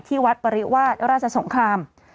ที่วัดปริวาสราชสงคราม